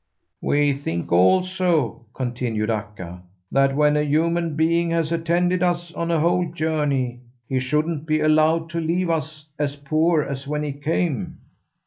"We think also," continued Akka, "that when a human being has attended us on a whole journey he shouldn't be allowed to leave us as poor as when he came."